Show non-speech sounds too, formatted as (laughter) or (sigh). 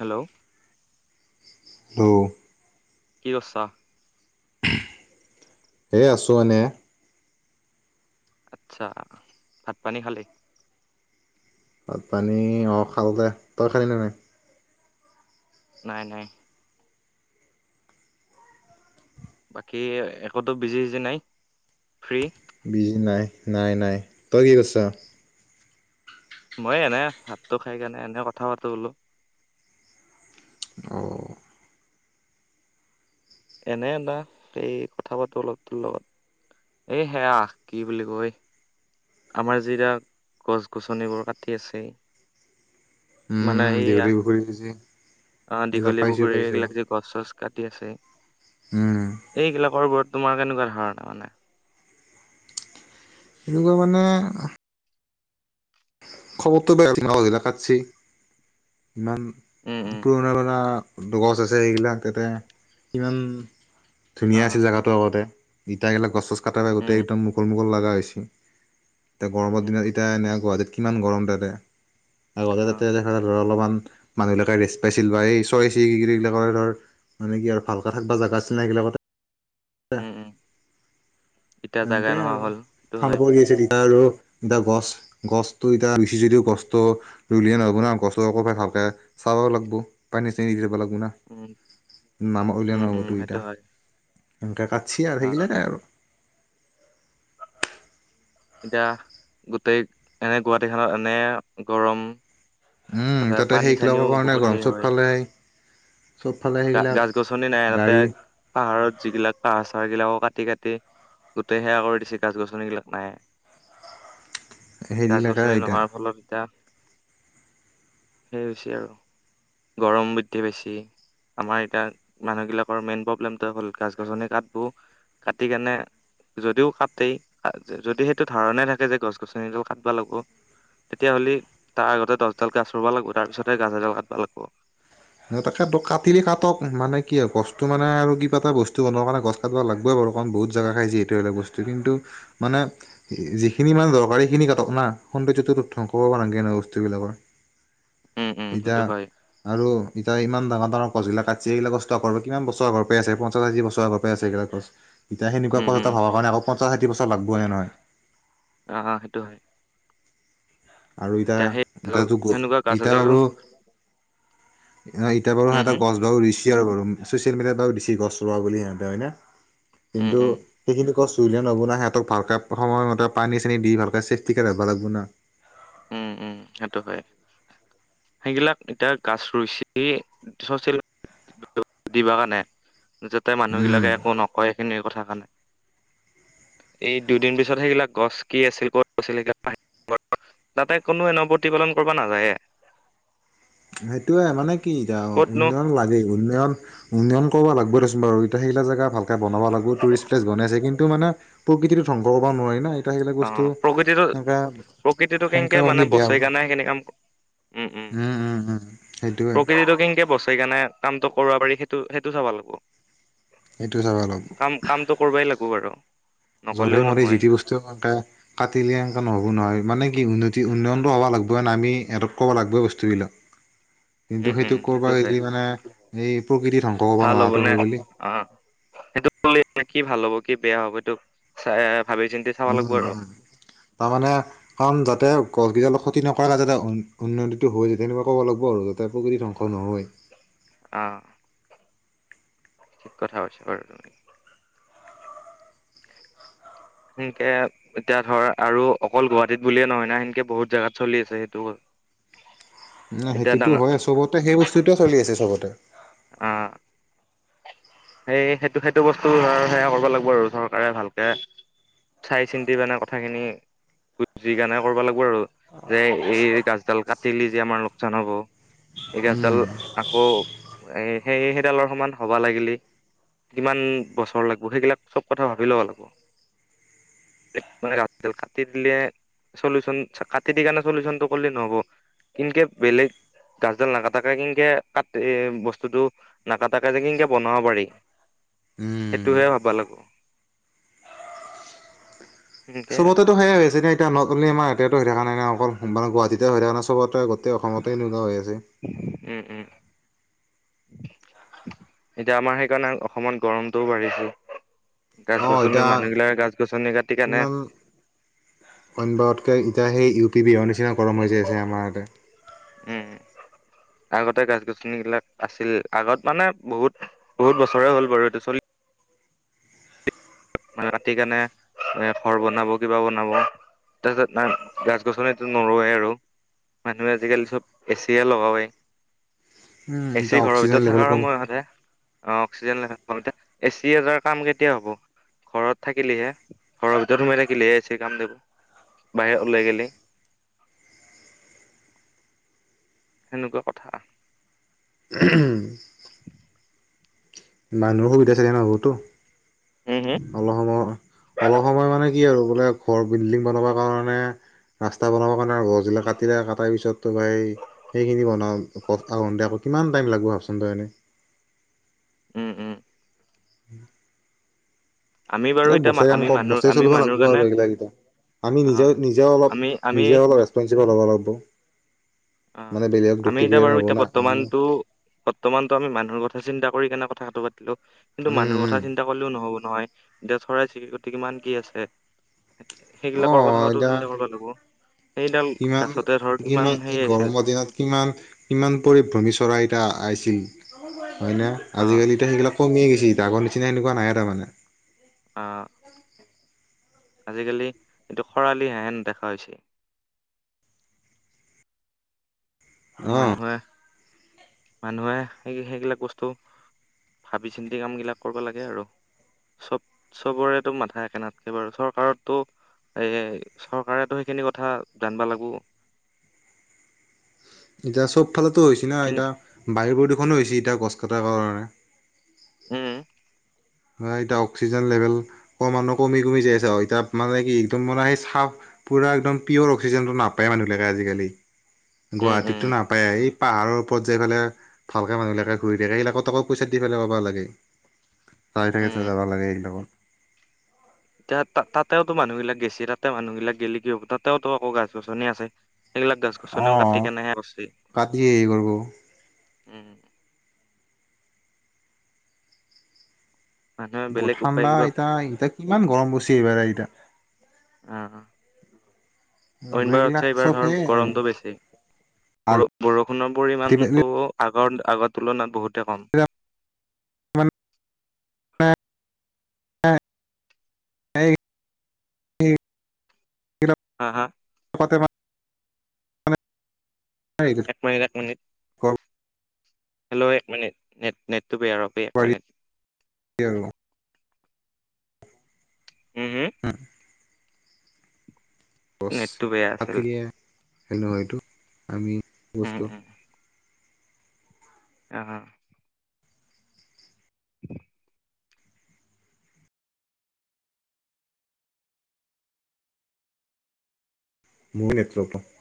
Hello তৌ কি কৰিছ? এ আছোঁ এনে। আচ্ছা ভাত, পানী, খালী? ভাত, পানী, অঁ খালতে তই খালি নে নাই। নাই নাই। বাকী একোতো বিজি সিজি নাই ফ্ৰী? বিজি নাই নাই নাই তই কি কৰিছ। মইয়ে এনে হাতটো খাই কাৰণনে এনে কথা পাতো বোলো। অ' এনে এা সেই কথা পাতো অলপ তোৰ লগত এই সেয়া কি বুলি কয় আমাৰ যিৰা গছ গছনিবোৰ কাটি আছে। মানে এইয়া দেউৰিও হৈ গিছি। অ দীঘলী পুখুৰী এইবিলাক যে গছ চছ কাটি আছে। উম। এইগিলাকৰ ওপৰত তোমাৰ কেনেকুৱা ধাৰণা মানে? কেনেকুৱা মানে (unintelligible) কাটছি ইমান উম উম পুৰণা বানা গছ আছে এইগিলাক তাতে ইমান অ ধুনীয়া আছিল জাগা ত গতে ইটা গিলা গছ চছ কাটাৰ উম আগতেই একদম উম মুকল মুকল লাগা হৈছি। এতিয়া গৰমৰ উম দিনত এতিয়া এনে গুৱাহাটীত কিমান গৰম তাতে আগতে অ তাতে দেখা ধৰ অলপমান মানুহবিলাকে ৰেষ্ট পাইছিল বা এই চয় (unintelligible) ধৰ মানে কি আৰু ভালকা থাকব জাগা আছিল না সেইবিলাকতে উম উম। এতিয়া জাগা এনেকে নোহোৱা আৰু হ'ল সেইটো ঠাণ্ডা হয় পৰি আছে তিতা আৰু ইতা গছ গছটো এতিয়া ৰুচি যদিও গছটো ৰুলে নহ'ব না গছ ভালকে চাব লাগবো পানী চেনী দিব লাগবো না। উম নামা উলিয়া উম উম নগতো সেইটো ইতা হয় এনকে কাছি আৰ আহ সেইগিলাকে আৰু। এতিয়া গোটেই এনে গুৱাহাটীখনত এনে গৰম উম তাতে পানী সেইগিলাকৰ চানিও কাৰণে গোবৰ গৰম সেই হয়। চবফালে চবফালে গা সেইগিলাক গছ-গছনি নাই তাতে। গাড়ী পাহাৰত যিগিলাক পাহাৰ চাহাৰ গিলাকো কাটি কাটি গোটেই সেৱা কৰি দিছে গছ-গছনিগিলাক নাই সেইগিলাকে গাছ-গছনি এতিয়া নোহোৱাৰ ফলত এতিয়া সেই হৈছে আৰু। গৰম বৃদ্ধি বেছি আমাৰ এতিয়া মানুহ গিলাকৰ মেইন প্ৰব্লেমটো হ'ল গাছ-গছনি কাটবো। কাটি কেনে যদিও কাটেই যদি সে- টো ধাৰণাই থাকে যে গছ-গছনি ডাল কাটবা লাগব। তেতিয়া হ'লি তাৰ আগতে দছডাল গছ ৰুবা লাগব তাৰ পিছতহে গাজ এডাল কাটব লাগব। সিহতকা দ কাটিলি কাটক মানে কি আও গছটো মানে আৰু কিবা এটা বস্তু বনোৱাৰ কাৰণে গছ কাটব লাগবই বাৰু কাৰণ বহুত জাগা খায় যিহেতু এটা বস্তু কিন্তু মানে উম, যিখিনি মানে দৰকাৰীখিনি কাটক না। সৌন্দৰ্যটোত ধ্বংস কৰবা নাংগে না বস্তুবিলাকৰ উম, উম, এতিয়া সেইটো হয়। আৰু এতিয়া ইমান ডাঙৰ ডাঙৰ গছগিলা কাটছে এইগিলা গছ তৰ আৰ কিমান বছৰ আগৰ পৰা আছে। পঞ্চাশ আশী বছৰ আগৰ পৰা আছে এইগিলা গছ। এতিয়া সনেকুৱা উম, ক'লা উম, তৰ হ'ব কাৰণে মক পঞ্চাছ হাড়ি বছৰ লাগব হে নহয়। অ অ সেইটো হয়। আৰু ইতা এতিয়া সেই ভাল এতিয়া যুগ সেনেকুৱা গাছ ইতা এডাল আৰু এতিয়া বাৰু উম, সিহঁতে হম, গছ ঘ ৰুইছ কিহ ৰুৰোম ছচিয়েল মিডিয়াত বাও দিছি গছ ৰোৱা বুলি সিহঁতে হয় নে? উম, কিন্তু উম, সেইখিনি গছ ৰুলে নহব না সিহঁতক ভালকে সময়মতে পানী চানি দি ভালকে চেফটি কৰি ৰাবা লাগবো না। উম উম সেইটো হয়। সেইগিলাক এতিয়া গাছ ৰুইছে ছ'চিয়েল (unintelligible) দিবা কাণে যাতে মানুহ বিলাকে উম একো নকয় সেইখিনি কথা কানে। এই দুইদিন পিছত সেইগিলাক গছ কি আছিল ক'ত আছিল (unintelligible) তাতে কোনো এনে প্ৰতিপলন কৰিব নাযায়ে। সেইটোয়ে মানে কি এতা ক'তনো উন্নয়ন লাগে উন্নয়ন উন্নয়ন কৰবা লাগব দেচোন বাৰু ইতা সেইগিলাক জেগা ভালকে বনাব লাগব টোৰিষ্ট প্লেছ বনাইছে। কিন্তু মানে প্ৰকৃতিতো ধ্বংস কৰিব নোৱাৰি না এ সেইবিলাক বস্তু অ' প্ৰকৃতিটো তেনো প্ৰকৃতিটো সেনেকা কেনেকে হ মানে বেয়া বচাই হ'ল। কাৰণে কাম উম উম উম সেইটোৱে প্ৰকৃতিটো কেনকে বচ সকাৰণে। কামটো কৰিব পাৰি সেইটো সেইটো চাব লাগিব। এইটো চাব অলপ। কাম কামটো কৰবাই লাগব বাৰু। জধে নকলেও মধে নহয় যিটি বস্তু সেনকে কাটিলে সেনকা নহ'ব নহয় মানে কি উন্নতি উন্নয়ন হব লাগব ন আমি এডপ্ট কৰিবব লাগিবই বস্তুবিলাক। কিন্তু উম উম সেইটোক সেইটো কৰ'বা হয় গিলি মানে এই প্ৰকৃতিৰ ধং ভাল হ'ব নে? অঁ, সেইটো কি ভাল হ'ব কি বেয়া হ'ব এইটো চ ভাবি চিন্ত উম উম তাৰমানানে কাৰণ যাতে গছ কেইডাল ক্ষতি নকৰাকে যাতে উন্নতিটো হৈ যায় তেনেকুৱা ক'ব লাগব আৰু। তাপক ধ্বংস নহয়। অঁ। ঠিক কথা কছে বাৰু তুমি। সেনকে এতিয়া ধৰ আৰু অকল গুৱাহাটীত বুলিয়ে নহয় না সেনকে বহুত জাগাত চলি আছে সেইটো বস (unintelligible) ন সেইটোতো হয় চবতে সেই বস্তুটোৱে চলি আছে চবতে। অ', সেই সেইটো সেইটো বস্তু ধ সেয়া কৰিব লাগিব আৰু চৰকাৰে ভালকে। চাই চিন্তি মানে কথা খিনি বুজি গানে কৰিববা লাগ। আৰু যে এই গাছডাল কাটিলি যে আমাৰ লোকচান হব এই গাছডাল। উম। আকৌ এ সেই সেইডালৰ সমান হবা লাগিলি। কিমান বছৰ লাগিব সেইগিলাক চব কথা ভাবি ল'ব লাগিব। মানে ৰােল খাতি (unintelligible) চলিউচন কাাট দ কাৰানে চলিউচনটো কৰিলেই নহব কিনকে বেলেগ গাছডাল নাকাটাকা কেনকে কাট এ বস্তুতটো নাকাটাক যে কেনকে বনাব পাৰি। উম। সেইটোহে ভবা লাগো। চবতে সেই আছে। এতিয়া নট অলি আমাৰ এয়াতে হৈ থকা নাই নাই অকল মানে গুৱাহাটীতে হৈ থকা নাই সবতে গোটেই অসমতে এনেকুৱা হৈ আছে। উম উম। এতিয়া আমাৰ সেইকাৰণে অসমত গৰমটোও বাঢ়িছে। গছ অ গছনি এতিয়া মানুহ বিলাকে গছ গছনি কাটি কেনে। অন বাৰতকৈ এতিয়া সেই ইউ পি বিহাৰ অন নিচিনা গৰম হৈ যায় আছে আমাৰ ইয়াতে। উম'। আগতে গছ- গছনিবলাক আছিল আগত মানে বহুত বহুত বছৰেই হল বাৰু এইটো চলি। মতি কেনে ঘৰ বনাব কিবা বনাব। তাৰপিছত ন গছ গছনিটো নৰোৱে আৰু। মানুহে আজিকালি চব এচিয়ে লগাৱাই। উম এচি এতিয়া ঘৰৰ অক্সিজেন ভিতৰত লেভেল থকাৰ কমি সময় মতে। অ অক্সিজেন লখ এতিয়া এ চি এজাৰ কাম কেতিয়া হ'ব। ঘৰত থাকিলিহে ঘৰৰ ভিতৰত সোমাই থাকিলিহে চ কাম দিব বাহিৰত ওলাই গেলি। সেনেকুৱা কথা। (inaudible) মানুহৰ সুবিধা থাকে ন' বহুতো। হু, হু? অলপ সময়, অলপ সময় মানে কি আৰু বোলে ঘৰ বিল্ডিং বনাব কাৰণে ৰাস্তা বনাবৰ কাৰণে গছগিলা কাটিলে কাটাৰ পিছততো ভাই সেইখিনি বনাওঁ (unintelligible) আকৌ কিমান টাইম লাগিব ভাবচোন তই এনে। উম, উম। আমি বাৰু (unintelligible) এতিয়া বছেৰে কাম আমি কৰ মানুহ বছেৰে আমি চলিব মানুহৰ লাগিব কাৰণে আৰু এইগিলাকেইটা। আমি অ নিজে নিজে অলপ আমি আমি নিজ অলপ ৰেচপনচিবল হ'ব লাগিব। অ' মানে বেলেগক দুখ আমি দি এতিয়া থাকিলে বাৰু নহ'ব এতিয়া না আমি বৰ্তমানতটো বৰ্তমানতো আমি মানুহৰ কথা চিন্তা কৰি কেনে কথাটো পাতিলো কিন্তু মানুহৰ উম উম কথা চি তা কলেও নহ'ব নহয় (unintelligible) চৰাই চিৰিকতি কিমান কি আছে। অ সেইবিলাকৰ কথাওঁটো এতিয়া চিন্তা কৰিব লাগিব, সেইডাল কিমান গাছতে ধৰ কিমান হে আছে। গৰমৰ দিনত কিমান কিমান পৰিভ্ৰমি চৰাই এটা আছিল। হয় না, অ আজিকালিতো সেইগিলাক কমিয়ে গৈছে, আগৰ নিচিনা এনেকুৱা নাইে তাৰমানে। অ'। আজিকালি এইটো খৰালিহেহেন দেখা হৈছে। অ মানুহে মানুহে সেই-সেইবিলাক বস্তু ভাবি চিন্তি কামবিলাক কৰিব লাগে আৰু। চব চবৰেতো মাথা একে নাথকে বাৰু, চৰকাৰৰতো এ, চৰকাৰেতো সেইখিনি কথা জানবা লাগব। এতিয়া চবফালেতো হৈছে না কিন এতিয়া বায়ু প্ৰদূষণো হৈছে এতিয়া গছ কাটাৰ কাৰণে। উম। এতিয়া অক্সিজেন লেভেল কমানো কমি কমি যাই আছে আৰু এতিয়া মানে কি একদম মানে সেই চাফ পুৰা একদম পিয়ৰ অক্সিজেনটো নাপায় মানুহবিলাকে আজিকালি। উম গুৱাহাটীত উম টো নাপায়ে, এই পাহাৰৰ ওপৰত যাই ফালে ভালকে মানুহবিলাকে ঘূৰি থাকে এইবিলাকক টকা পইচা দি পেলাইহে পাব লাগে। হয়, তাকেইতো উম যাবা লাগে এইবিলাকত। এতিয়া তা-তাতেওতো মানুহবিলাক গেছি, তাতে মানুহবিলাক গেলে কি হ'ব তাতেও আকৌ গাছ গছনি আছে। হেইবিলাক গছ অ গছনিও কাটি কেনে হে কৰ্চি, কাটি হেৰি কৰিব উম। মানুহে (unintelligible) বেলেগ উপায় কিবা এতা এতিয়া কিমান গৰম পৰিছে এইবাৰ এতিয়া। অ' অইনবাৰত ঘড়ীবিলাক চাই এইবাৰ চব ধৰ সেয়ে আৰু গৰমটো বেছি। বৰ-বৰষুণৰ আল্টিমেটলি পৰিমাণটো আগৰ আগৰ তুলনাত বহুতে কম। (unintelligible) (unintelligible) হা, হা? (unintelligible) (unintelligible) এক মিনিট, এক মিনিট। হেল্ল' এক মিনিট, নেট-নেটটো বেয়া, ৰ'বা এক মিনিট। (unintelligible) উম হম (unintelligible) গছ নেটটো বেয়া আছিল কাটিলে (unintelligible) আমি সেইটো হয়টো আমি উম বস্তু উম (unintelligible) (inaudible) মোৰ (unintelligible)